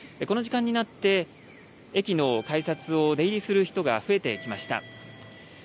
この時間になって、駅の改札を出入りする人が増えてきました。